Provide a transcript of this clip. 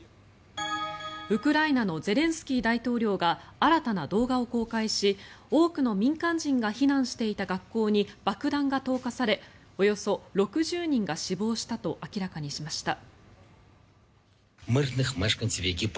ウクライナのゼレンスキー大統領が新たな動画を公開し多くの民間人が避難していた学校に爆弾が投下されおよそ６０人が死亡したと明らかにしました。